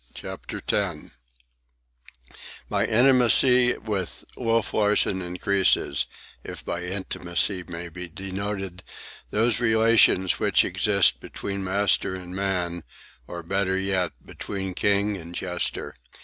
CHAPTER X My intimacy with Wolf Larsen increases—if by intimacy may be denoted those relations which exist between master and man, or, better yet, between king and jester.